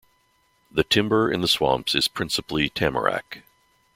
The Timber in the Swamps is principally Tamarac.